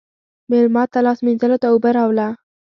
مېلمه ته لاس مینځلو ته اوبه راوله.